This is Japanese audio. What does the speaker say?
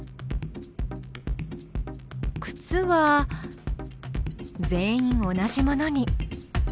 くつは全員同じものに。